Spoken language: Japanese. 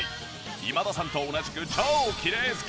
今田さんと同じく超きれい好き。